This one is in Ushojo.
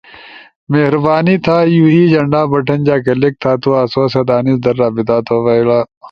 مہربانی تھا یو ای جھنڈا بٹن جا کلک تھا۔ تو آسو ست انیس در رابطہ تھو بئیلا۔۔